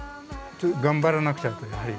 頑張らなくちゃという。